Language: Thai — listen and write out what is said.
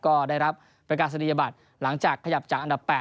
ก็ได้รับประกาศนียบัตรหลังจากขยับจากอันดับ๘